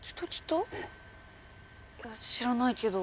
いや知らないけど。